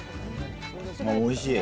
おいしい。